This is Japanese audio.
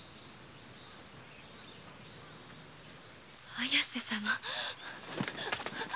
綾瀬様。